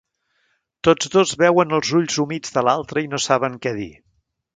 Tots dos veuen els ulls humits de l'altre i no saben què dir.